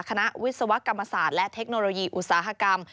คณะวิศวกรรมศาสตร์และเทคโนโลยีอุตสาหกรรม